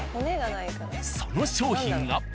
その商品が。